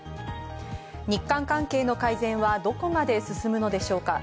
日韓関係の改善はどこまで進むのでしょうか。